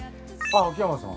秋山さん？